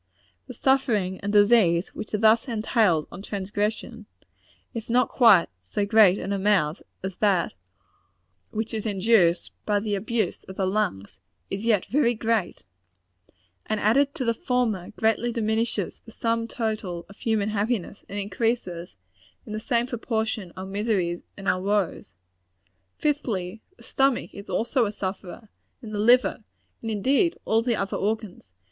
The suffering and disease which are thus entailed on transgression, if not quite so great in amount as that which is induced by the abuse of the lungs, is yet very great and added to the former, greatly diminishes the sum total of human happiness, and increases, in the same proportion, our miseries and our woes. Fifthly the stomach is also a sufferer and the liver; and, indeed, all the other organs.